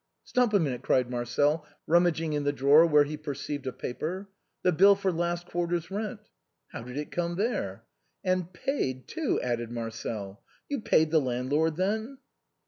" Stop a minute !" cried Marcel, rummaging in the drawer, where he perceived a paper, " The bill for last quarter's rent !"" How did it come there ?"" And paid, too," added Marcel. " You paid the land lord, then